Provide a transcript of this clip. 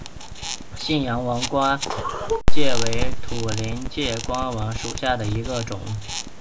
信阳王冠介为土菱介科王冠介属下的一个种。